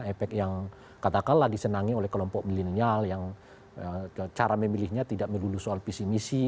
efek yang katakanlah disenangi oleh kelompok milenial yang cara memilihnya tidak melulu soal visi misi